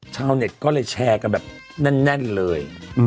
ชาวเน็ตก็เลยแชร์กันแบบแน่นเลย